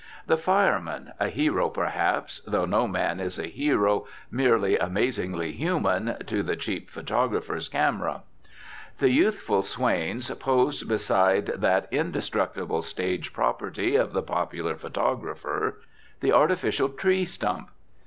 The fireman (a hero, perhaps, though no man is a hero, merely amazingly human, to the cheap photographer's camera). The youthful swains posed beside that indestructible stage property of the popular photographer, the artificial tree stump.